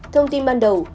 thông tin ban đầu